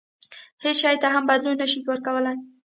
هیڅ شي ته هم بدلون نه شي ورکولای.